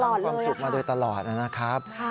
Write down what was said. มีความสุขมาโดยตลอดนะครับ